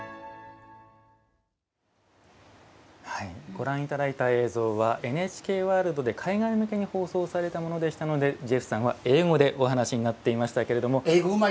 ご覧いただいた映像はＮＨＫワールドで海外向けに放送されたものでしたのでジェフさんは英語でお話しになっていましたけれども。